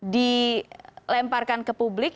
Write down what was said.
dilemparkan ke publik